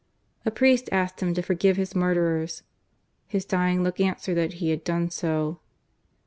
A priest asked him to forgive his murderers ; his dying look answered that he had done so.